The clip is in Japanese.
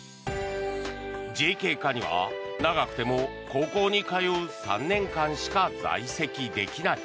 ＪＫ課には長くても高校に通う３年間しか在籍できない。